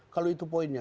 kalau itu poinnya